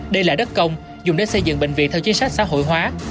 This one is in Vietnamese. đây là đất công dùng để xây dựng bệnh viện theo chính sách xã hội hóa